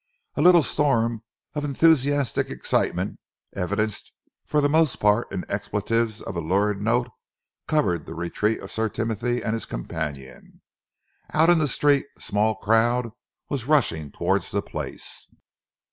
A little storm of enthusiastic excitement, evidenced for the most part in expletives of a lurid note, covered the retreat of Sir Timothy and his companion. Out in the street a small crowd was rushing towards the place.